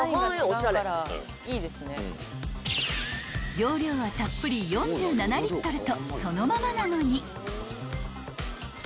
［容量はたっぷり４７リットルとそのままなのに］